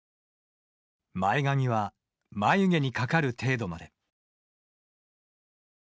「前髪は眉毛にかかる程度まで」